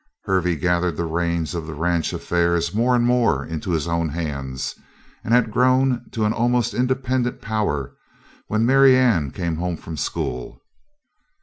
Hervey gathered the reins of the ranch affairs more and more into his own hands and had grown to an almost independent power when Marianne came home from school.